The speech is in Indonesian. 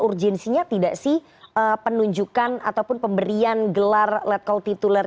urgensinya tidak sih penunjukan ataupun pemberian gelar let call tituler